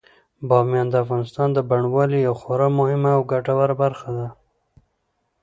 بامیان د افغانستان د بڼوالۍ یوه خورا مهمه او ګټوره برخه ده.